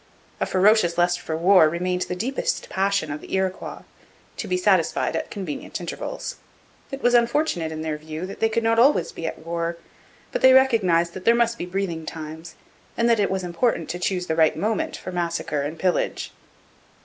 A ferocious lust for war remained the deepest passion of the Iroquois, to be satisfied at convenient intervals. It was unfortunate, in their view, that they could not always be at war; but they recognized that there must be breathing times and that it was important to choose the right moment for massacre and pillage.